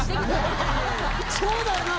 そうだよな！